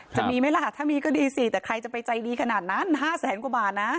จะมีไหมล่ะถ้ามีก็ดีสิแต่ใครจะไปใจดีขนาดนั้น๕แสนกว่าบาทนะ